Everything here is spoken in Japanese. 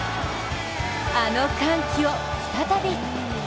あの歓喜を再び！